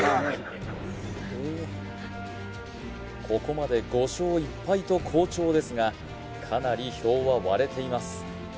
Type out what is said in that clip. ここまで５勝１敗と好調ですがかなり票は割れています